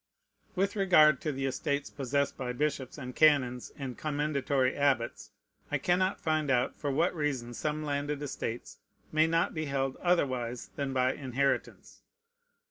With regard to the estates possessed by bishops and canons and commendatory abbots, I cannot find out for what reason some landed estates may not be held otherwise than by inheritance.